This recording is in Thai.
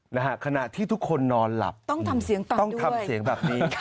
นะฮะขณะที่ทุกคนนอนหลับต้องทำเสียงต่อต้องทำเสียงแบบนี้